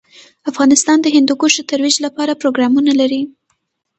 افغانستان د هندوکش د ترویج لپاره پروګرامونه لري.